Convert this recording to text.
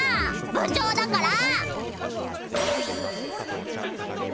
部長だから！